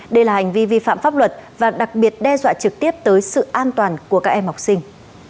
đây là hành vi vi phạm pháp luật và đặc biệt đe dọa trực tiếp tới sự an toàn của các em học sinh